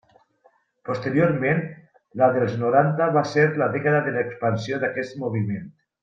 Posteriorment, la dels noranta va ser la dècada de l'expansió d'aquest moviment.